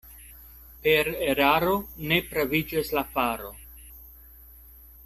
Per eraro ne praviĝas la faro.